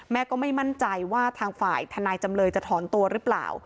ก็ไม่มั่นใจว่าทางฝ่ายทนายจำเลยจะถอนตัวหรือเปล่า